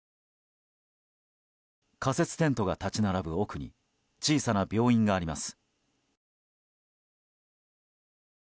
仮設テントが立ち並ぶ奥に小さな病院があります。